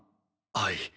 はい。